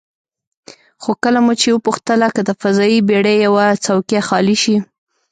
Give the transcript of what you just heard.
خو کله مو چې وپوښتله که د فضايي بېړۍ یوه څوکۍ خالي شي،